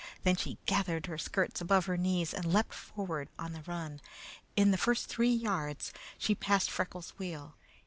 Then she gathered her skirts above her knees and leaped forward on the run. In the first three yards she passed Freckles' wheel.